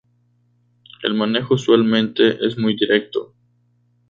El manejo usualmente es muy directo.